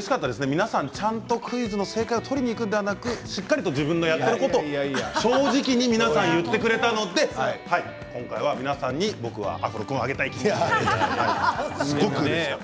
皆さん、クイズの正解を取りにいくのではなくしっかりと自分のやっていることを正直に皆さん言ってくれたので今回は皆さんに僕は、アフロ君をあげたい気持ちです。